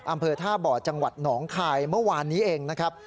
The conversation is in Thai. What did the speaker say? อำเภอท่าบ่อจังหวัดหนองคายเมื่อวานนี้เองนะครับ